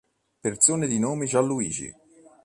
Persone di nome Gianluigi